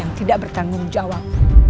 yang tidak bertanggung jawab